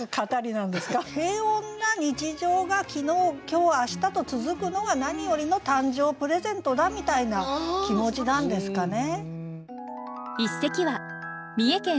平穏な日常が昨日今日明日と続くのが何よりの誕生プレゼントだみたいな気持ちなんですかね。